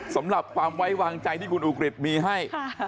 สำหรับความไว้วางใจที่คุณอุกฤษมีให้